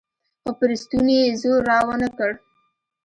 خو پر ستوني يې زور راونه کړ.